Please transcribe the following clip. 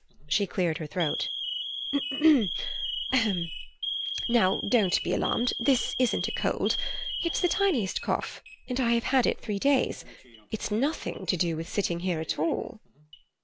She cleared her throat. "Now don't be alarmed; this isn't a cold. It's the tiniest cough, and I have had it three days. It's nothing to do with sitting here at all."